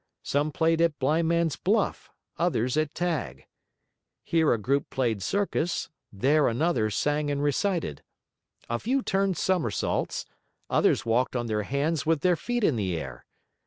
Some played at blindman's buff, others at tag. Here a group played circus, there another sang and recited. A few turned somersaults, others walked on their hands with their feet in the air.